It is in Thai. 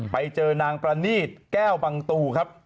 ไปเจอนางประนีตแก้วบังตูครับ